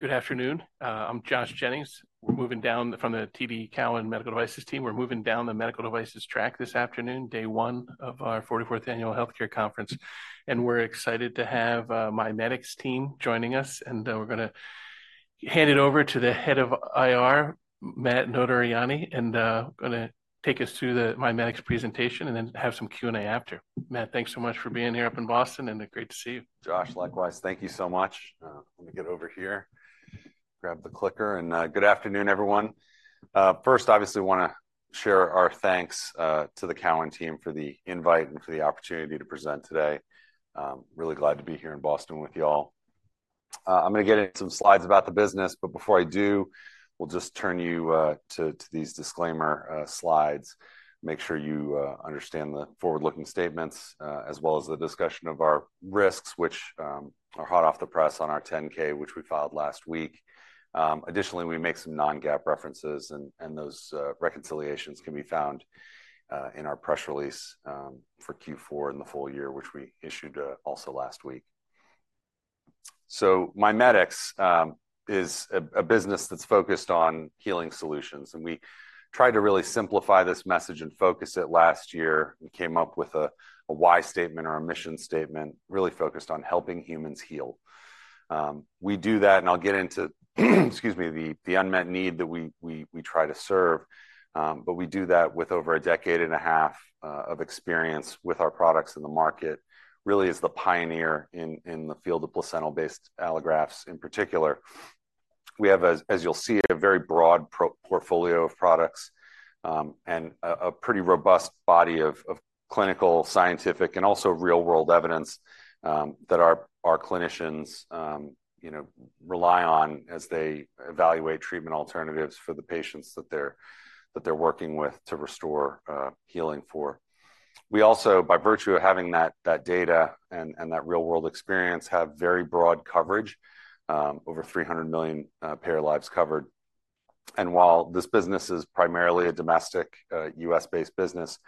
Good afternoon. I'm Josh Jennings. We're moving down from the TD Cowen Medical Devices team. We're moving down the medical devices track this afternoon, day one of our 44th annual healthcare conference, and we're excited to have the MiMedx team joining us, and we're gonna hand it over to the head of IR, Matt Notarianni, and gonna take us through the MiMedx presentation and then have some Q&A after. Matt, thanks so much for being here up in Boston, and great to see you. Josh, likewise. Thank you so much. Let me get over here, grab the clicker, and good afternoon, everyone. First, obviously, wanna share our thanks to the Cowen team for the invite and for the opportunity to present today. Really glad to be here in Boston with y'all. I'm gonna get into some slides about the business, but before I do, we'll just turn you to these disclaimer slides. Make sure you understand the forward-looking statements, as well as the discussion of our risks, which are hot off the press on our 10-K, which we filed last week. Additionally, we make some non-GAAP references, and those reconciliations can be found in our press release for Q4 in the full year, which we issued also last week. So MiMedx is a business that's focused on healing solutions, and we tried to really simplify this message and focus it last year. We came up with a why statement or a mission statement really focused on helping humans heal. We do that, and I'll get into, excuse me, the unmet need that we try to serve. But we do that with over a decade and a half of experience with our products in the market, really as the pioneer in the field of placental-based allografts in particular. We have, as you'll see, a very broad portfolio of products, and a pretty robust body of clinical, scientific, and also real-world evidence, that our clinicians, you know, rely on as they evaluate treatment alternatives for the patients that they're working with to restore healing for. We also, by virtue of having that data and that real-world experience, have very broad coverage, over 300 million payor lives covered. While this business is primarily a domestic, U.S.-based business,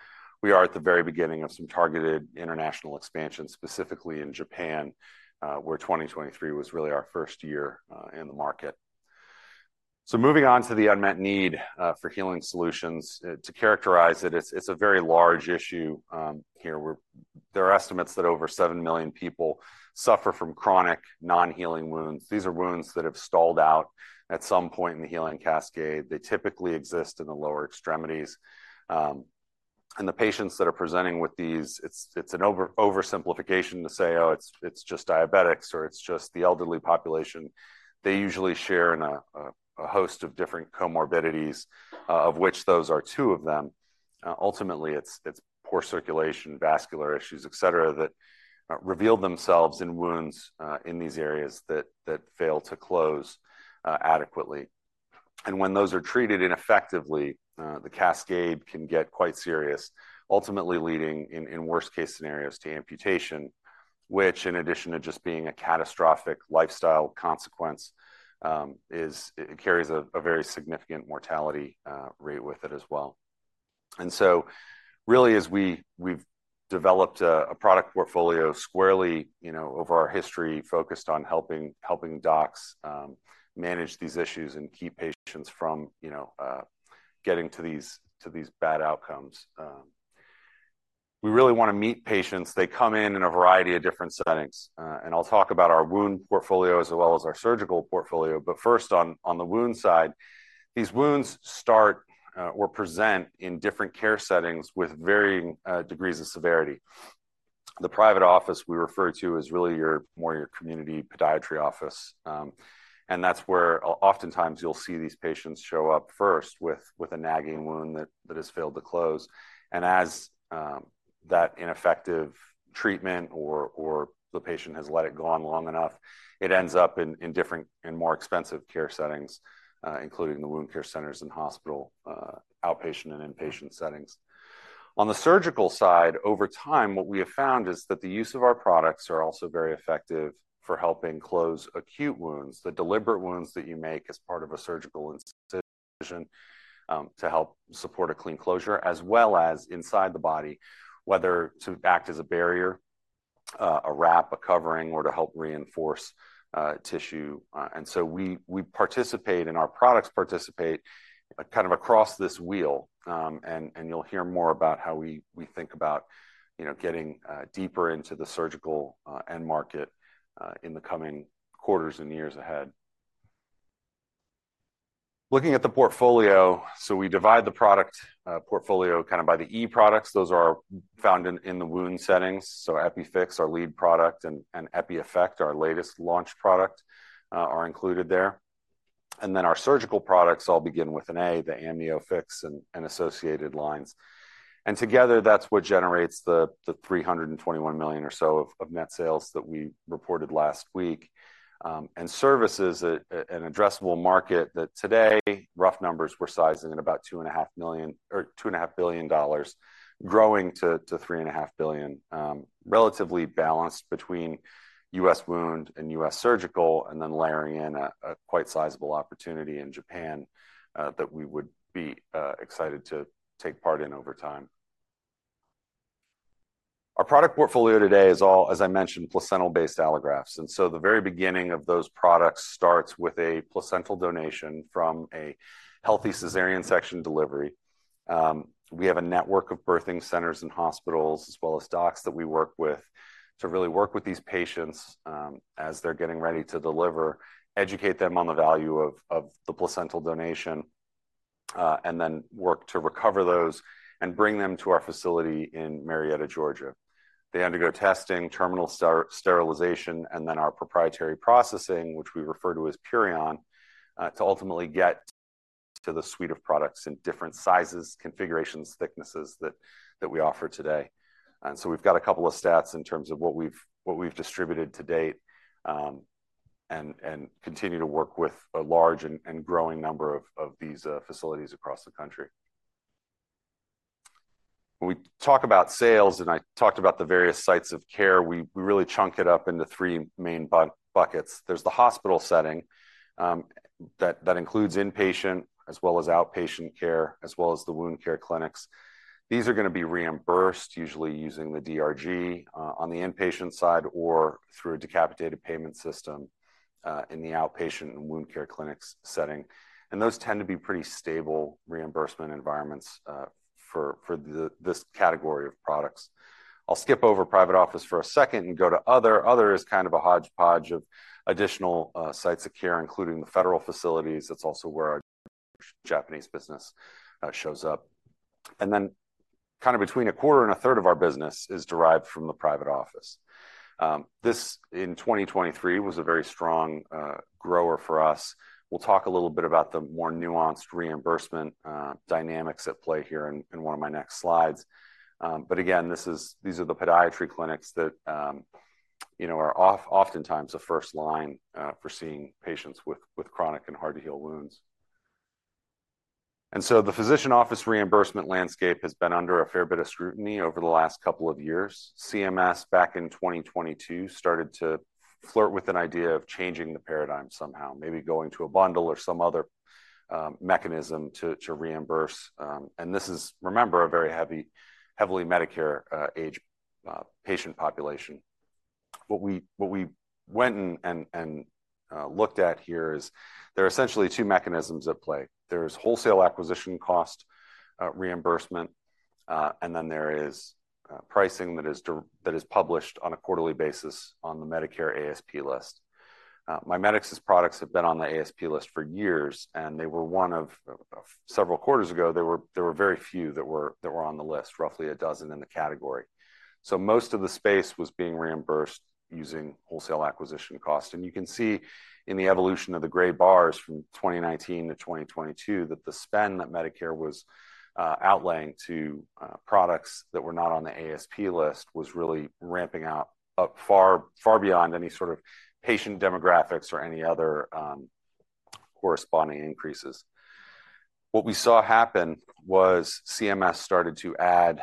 we are at the very beginning of some targeted international expansion, specifically in Japan, where 2023 was really our first year in the market. So moving on to the unmet need for healing solutions. To characterize it, it's a very large issue here. There are estimates that over 7 million people suffer from chronic, non-healing wounds. These are wounds that have stalled out at some point in the healing cascade. They typically exist in the lower extremities. And the patients that are presenting with these, it's an oversimplification to say, "Oh, it's just diabetics," or "It's just the elderly population." They usually share a host of different comorbidities, of which those are two of them. Ultimately, it's poor circulation, vascular issues, etc., that reveal themselves in wounds in these areas that fail to close adequately. When those are treated ineffectively, the cascade can get quite serious, ultimately leading, in worst-case scenarios, to amputation, which, in addition to just being a catastrophic lifestyle consequence, carries a very significant mortality rate with it as well. So really, as we've developed a product portfolio squarely, you know, over our history focused on helping docs manage these issues and keep patients from, you know, getting to these bad outcomes, we really want to meet patients. They come in a variety of different settings. I'll talk about our wound portfolio as well as our surgical portfolio. First, on the wound side, these wounds start or present in different care settings with varying degrees of severity. The private office we refer to is really more your community podiatry office. And that's where oftentimes you'll see these patients show up first with a nagging wound that has failed to close. And as that ineffective treatment or the patient has let it go on long enough, it ends up in different and more expensive care settings, including the wound care centers and hospital outpatient and inpatient settings. On the surgical side, over time, what we have found is that the use of our products are also very effective for helping close acute wounds, the deliberate wounds that you make as part of a surgical incision to help support a clean closure, as well as inside the body, whether to act as a barrier, a wrap, a covering, or to help reinforce tissue. And so our products participate kind of across this wheel. And you'll hear more about how we think about, you know, getting deeper into the surgical end market in the coming quarters and years ahead. Looking at the portfolio, so we divide the product portfolio kind of by the E products. Those are found in the wound settings. So EPIFIX, our lead product, and EPIEFFECT, our latest launch product, are included there. And then our surgical products, I'll begin with an A, the AMNIOFIX and associated lines. And together, that's what generates the $321 million or so of net sales that we reported last week. And service is an addressable market that today, rough numbers, we're sizing at about $2.5 million or $2.5 billion, growing to $3.5 billion, relatively balanced between U.S. wound and U.S. surgical, and then layering in a quite sizable opportunity in Japan that we would be excited to take part in over time. Our product portfolio today is all, as I mentioned, placental-based allografts. The very beginning of those products starts with a placental donation from a healthy cesarean section delivery. We have a network of birthing centers and hospitals, as well as docs that we work with, to really work with these patients as they're getting ready to deliver, educate them on the value of the placental donation, and then work to recover those and bring them to our facility in Marietta, Georgia. They undergo testing, terminal sterilization, and then our proprietary processing, which we refer to as PURION, to ultimately get to the suite of products in different sizes, configurations, thicknesses that we offer today. We've got a couple of stats in terms of what we've distributed to date and continue to work with a large and growing number of these facilities across the country. When we talk about sales and I talked about the various sites of care, we really chunk it up into 3 main buckets. There's the hospital setting that includes inpatient as well as outpatient care, as well as the wound care clinics. These are going to be reimbursed, usually using the DRG on the inpatient side or through a capitated payment system in the outpatient and wound care clinics setting. And those tend to be pretty stable reimbursement environments for this category of products. I'll skip over private office for a second and go to other. Other is kind of a hodgepodge of additional sites of care, including the federal facilities. That's also where our Japanese business shows up. And then kind of between a quarter and a third of our business is derived from the private office. This, in 2023, was a very strong grower for us. We'll talk a little bit about the more nuanced reimbursement dynamics at play here in one of my next slides. But again, these are the podiatry clinics that, you know, are oftentimes a first line for seeing patients with chronic and hard-to-heal wounds. And so the physician office reimbursement landscape has been under a fair bit of scrutiny over the last couple of years. CMS, back in 2022, started to flirt with an idea of changing the paradigm somehow, maybe going to a bundle or some other mechanism to reimburse. And this is, remember, a very heavily Medicare-aged patient population. What we went and looked at here is there are essentially two mechanisms at play. There is wholesale acquisition cost reimbursement, and then there is pricing that is published on a quarterly basis on the Medicare ASP list. MiMedx's products have been on the ASP list for years, and they were one of several quarters ago, there were very few that were on the list, roughly 12 in the category. So most of the space was being reimbursed using wholesale acquisition cost. You can see in the evolution of the gray bars from 2019 to 2022 that the spend that Medicare was outlaying to products that were not on the ASP list was really ramping out far beyond any sort of patient demographics or any other corresponding increases. What we saw happen was CMS started to add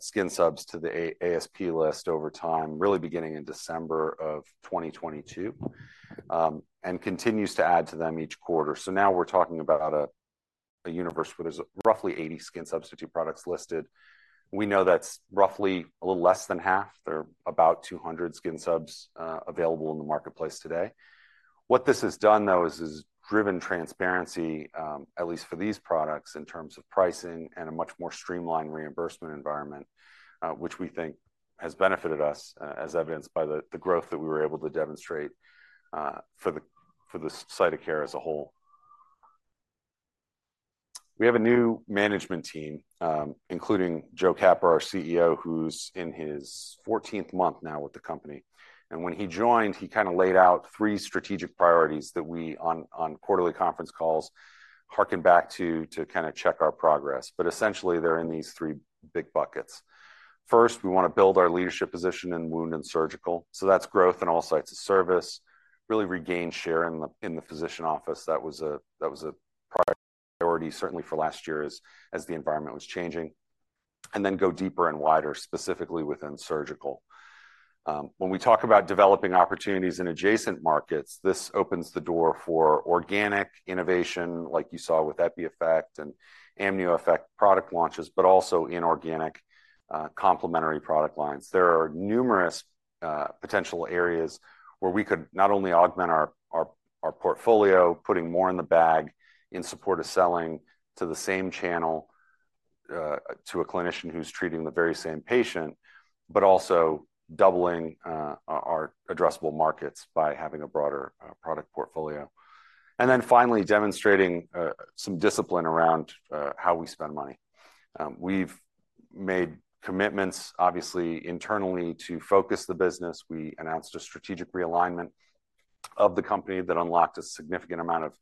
skin subs to the ASP list over time, really beginning in December of 2022, and continues to add to them each quarter. So now we're talking about a universe where there's roughly 80 skin substitute products listed. We know that's roughly a little less than half. There are about 200 skin subs available in the marketplace today. What this has done, though, is driven transparency, at least for these products, in terms of pricing and a much more streamlined reimbursement environment, which we think has benefited us, as evidenced by the growth that we were able to demonstrate for the site of care as a whole. We have a new management team, including Joe Capper, our CEO, who's in his 14th month now with the company. When he joined, he kind of laid out three strategic priorities that we, on quarterly conference calls, hearken back to to kind of check our progress. Essentially, they're in these three big buckets. First, we want to build our leadership position in wound and surgical. That's growth in all sites of service, really regain share in the physician office. That was a priority, certainly for last year, as the environment was changing. And then go deeper and wider, specifically within surgical. When we talk about developing opportunities in adjacent markets, this opens the door for organic innovation, like you saw with EPIEFFECT and AMNIOEFFECT product launches, but also inorganic complementary product lines. There are numerous potential areas where we could not only augment our portfolio, putting more in the bag in support of selling to the same channel, to a clinician who's treating the very same patient, but also doubling our addressable markets by having a broader product portfolio. And then finally, demonstrating some discipline around how we spend money. We've made commitments, obviously, internally to focus the business. We announced a strategic realignment of the company that unlocked a significant amount of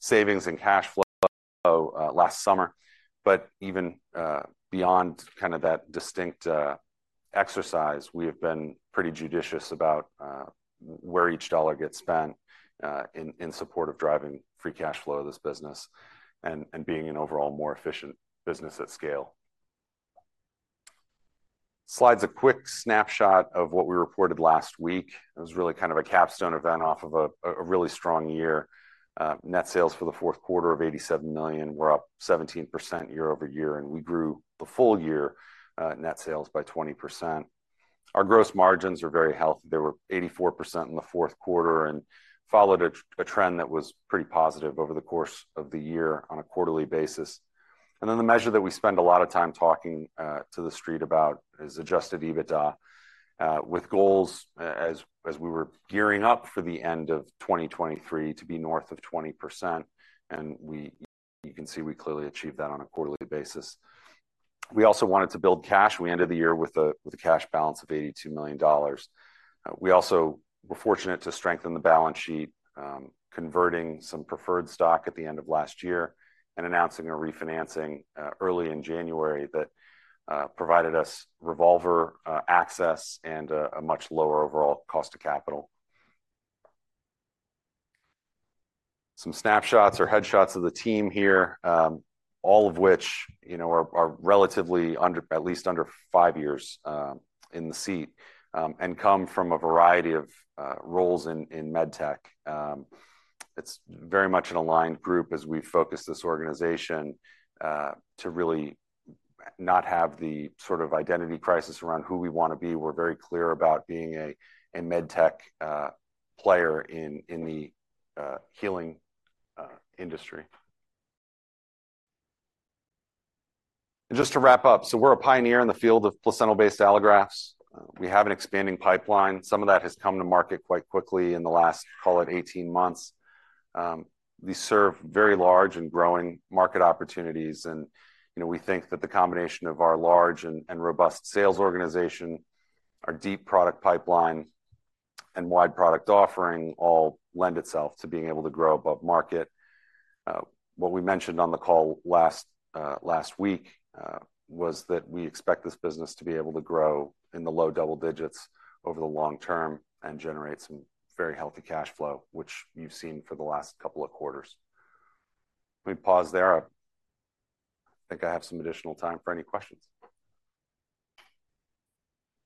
savings and cash flow last summer. But even beyond kind of that distinct exercise, we have been pretty judicious about where each dollar gets spent in support of driving free cash flow of this business and being an overall more efficient business at scale. Slide's a quick snapshot of what we reported last week. It was really kind of a capstone event off of a really strong year. Net sales for the fourth quarter of $87 million. We're up 17% year-over-year. And we grew the full year net sales by 20%. Our gross margins are very healthy. They were 84% in the fourth quarter and followed a trend that was pretty positive over the course of the year on a quarterly basis. Then the measure that we spend a lot of time talking to the street about is Adjusted EBITDA, with goals as we were gearing up for the end of 2023 to be north of 20%. You can see we clearly achieved that on a quarterly basis. We also wanted to build cash. We ended the year with a cash balance of $82 million. We also were fortunate to strengthen the balance sheet, converting some preferred stock at the end of last year and announcing a refinancing early in January that provided us revolver access and a much lower overall cost of capital. Some snapshots or headshots of the team here, all of which, you know, are relatively under, at least under five years in the seat, and come from a variety of roles in MedTech. It's very much an aligned group as we've focused this organization to really not have the sort of identity crisis around who we want to be. We're very clear about being a MedTech player in the healing industry. Just to wrap up, so we're a pioneer in the field of placental-based allografts. We have an expanding pipeline. Some of that has come to market quite quickly in the last, call it, 18 months. These serve very large and growing market opportunities. You know, we think that the combination of our large and robust sales organization, our deep product pipeline, and wide product offering all lend itself to being able to grow above market. What we mentioned on the call last week was that we expect this business to be able to grow in the low double digits over the long term and generate some very healthy cash flow, which you've seen for the last couple of quarters. Let me pause there. I think I have some additional time for any questions.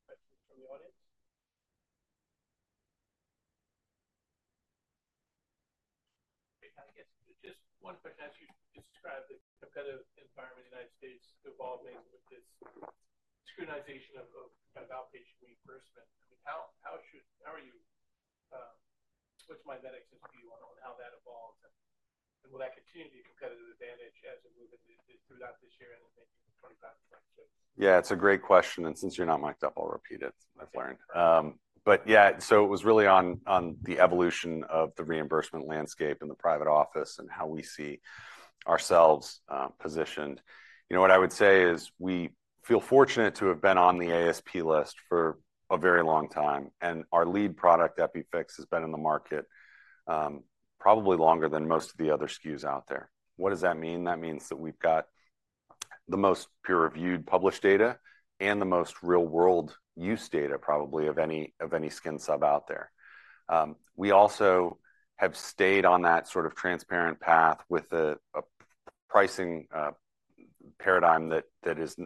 Questions from the audience? I guess just one question. As you describe the competitive environment in the United States evolving with this scrutiny of kind of outpatient reimbursement, how should, how are you, what's MiMed's view on how that evolves? And will that continue to be a competitive advantage as it moves throughout this year and in maybe the 2025 flagship? Yeah, it's a great question. And since you're not mic'd up, I'll repeat it. That's Larry. But yeah, so it was really on the evolution of the reimbursement landscape in the private office and how we see ourselves positioned. You know, what I would say is we feel fortunate to have been on the ASP list for a very long time. And our lead product, EPIFIX, has been in the market probably longer than most of the other SKUs out there. What does that mean? That means that we've got the most peer-reviewed published data and the most real-world use data, probably, of any skin sub out there. We also have stayed on that sort of transparent path with a pricing paradigm that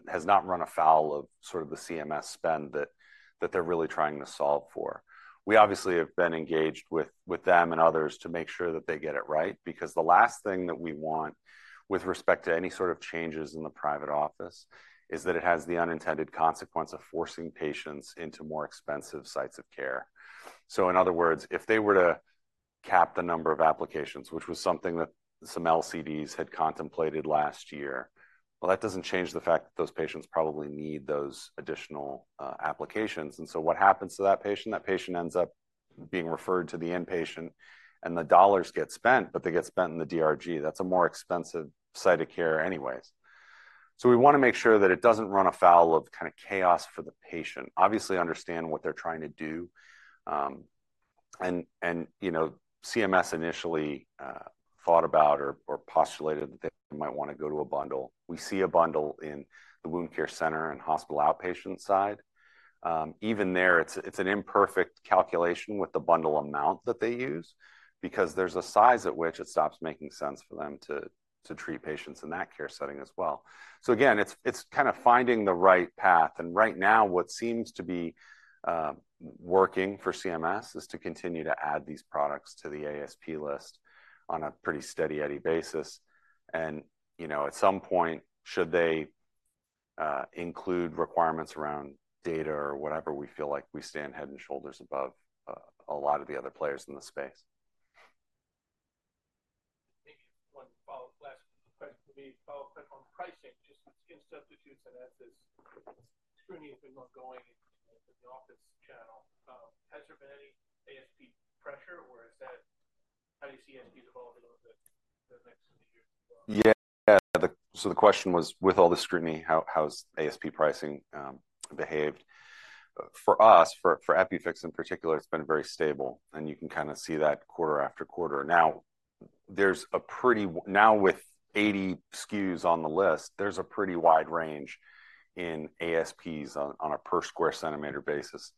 has not run afoul of sort of the CMS spend that they're really trying to solve for. We obviously have been engaged with them and others to make sure that they get it right. Because the last thing that we want with respect to any sort of changes in the private office is that it has the unintended consequence of forcing patients into more expensive sites of care. So in other words, if they were to cap the number of applications, which was something that some LCDs had contemplated last year, well, that doesn't change the fact that those patients probably need those additional applications. And so what happens to that patient? That patient ends up being referred to the inpatient, and the dollars get spent, but they get spent in the DRG. That's a more expensive site of care anyways. So we want to make sure that it doesn't run afoul of kind of chaos for the patient. Obviously, understand what they're trying to do. And, you know, CMS initially thought about or postulated that they might want to go to a bundle. We see a bundle in the wound care center and hospital outpatient side. Even there, it's an imperfect calculation with the bundle amount that they use because there's a size at which it stops making sense for them to treat patients in that care setting as well. So again, it's kind of finding the right path. And right now, what seems to be working for CMS is to continue to add these products to the ASP list on a pretty steady basis. And, you know, at some point, should they include requirements around data or whatever, we feel like we stand head and shoulders above a lot of the other players in the space. Maybe one follow-up, last question for me. Follow-up question on pricing. Just skin substitutes and as this scrutiny has been ongoing in the office channel, has there been any ASP pressure, or is that, how do you see ASPs evolving over the next few years as well? Yeah. So the question was, with all the scrutiny, how has ASP pricing behaved? For us, for EPIFIX in particular, it's been very stable. And you can kind of see that quarter after quarter. Now, with 80 SKUs on the list, there's a pretty wide range in ASPs on a per square centimeter basis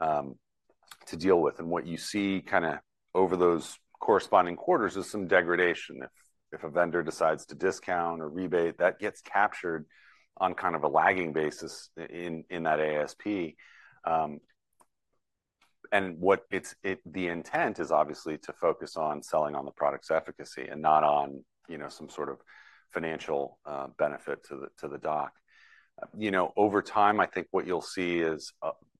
to deal with. And what you see kind of over those corresponding quarters is some degradation. If a vendor decides to discount or rebate, that gets captured on kind of a lagging basis in that ASP. And what the intent is, obviously, to focus on selling on the product's efficacy and not on, you know, some sort of financial benefit to the doc. You know, over time, I think what you'll see is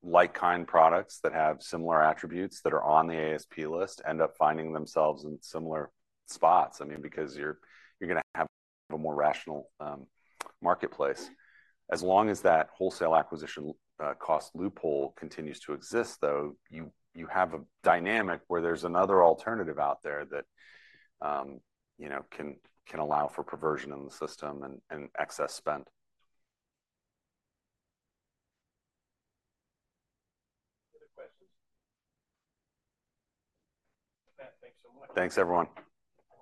like-kind products that have similar attributes that are on the ASP list end up finding themselves in similar spots. I mean, because you're going to have a more rational marketplace. As long as that wholesale acquisition cost loophole continues to exist, though, you have a dynamic where there's another alternative out there that, you know, can allow for perversion in the system and excess spend. Other questions? Matt, thanks so much. Thanks, everyone.